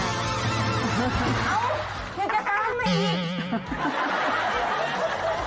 อยากจะต้องกันอีก